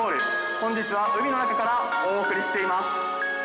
本日は海の中からお送りしています。